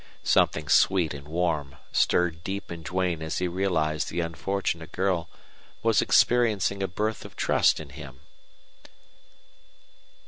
Something sweet and warm stirred deep in Duane as he realized the unfortunate girl was experiencing a birth of trust in him.